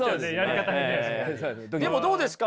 でもどうですか？